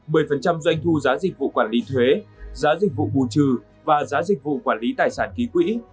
một mươi doanh thu giá dịch vụ quản lý thuế giá dịch vụ bù trừ và giá dịch vụ quản lý tài sản ký quỹ